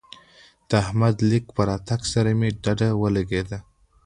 د احمد د ليک په راتګ سره مې ډډه ولګېده.